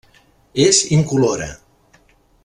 És incolora.